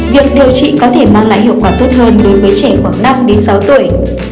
việc điều trị có thể mang lại hiệu quả tốt hơn đối với trẻ khoảng năm đến sáu tuổi